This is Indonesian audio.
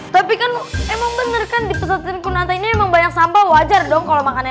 tapi kan emang bener kan dipesan kundal ini memang banyak sampah wajar dong kalau makannya